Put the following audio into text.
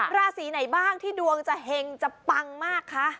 ราศีไหนบ้างที่ดวงจะเห็งจะปังมากคะ